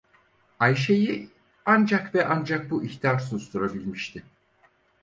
Ayşe'yi, ancak ve ancak bu ihtar susturabilmişti.